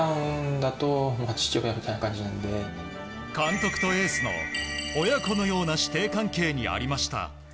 監督とエースの親子のような師弟関係にありました。